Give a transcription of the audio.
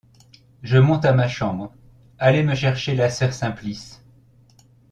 Je monte à ma chambre, allez me chercher la sœur Simplice.